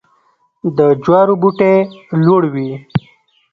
د جوارو بوټی لوړ وي.